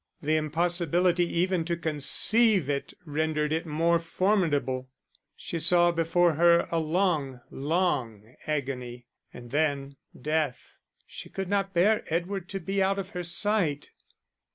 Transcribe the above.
The impossibility even to conceive it rendered it more formidable; she saw before her a long, long agony, and then death. She could not bear Edward to be out of her sight.